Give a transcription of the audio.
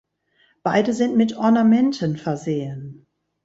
Beide sind mit Ornamenten versehen.